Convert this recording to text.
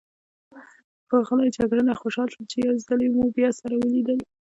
ښاغلی جګړنه، خوشحاله شوم چې یو ځلي مو بیا سره ولیدل.